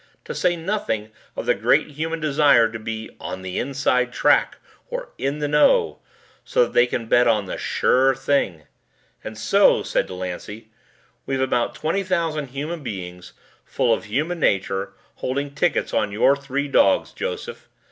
To say nothing of the great human desire to be 'On the Inside' track or 'In the Know' so that they can bet on the 'Sure Thing'. And so," said Delancey, "we've about twenty thousand human beings full of human nature holding tickets on your three dogs, Joseph.